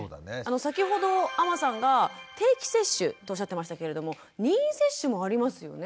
先ほど阿真さんが定期接種とおっしゃってましたけれども任意接種もありますよね？